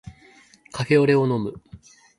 カフェオレを飲む